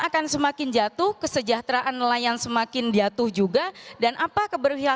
akan semakin jatuh kesejahteraan nelayan semakin jatuh juga dan apa keberhasilan